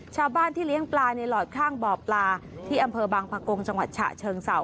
ชาวบ้านที่เลี้ยงปลาในหลอดข้างบ่อปลาที่อำเภอบางปะกงจังหวัดฉะเชิงเศร้า